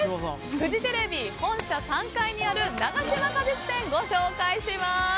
フジテレビ本社３階にある永島果実店、ご紹介します。